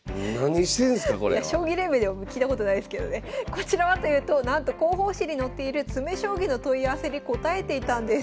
こちらはというとなんと広報誌に載っている詰将棋の問い合わせに応えていたんです。